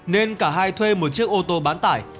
nên cả hai thuê một chiếc ô tô bán tải